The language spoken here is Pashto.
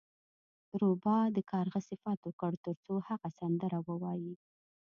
روباه د کارغه صفت وکړ ترڅو هغه سندره ووایي.